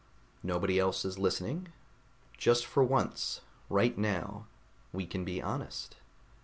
"Nobody else is listening. Just for once, right now, we can be honest.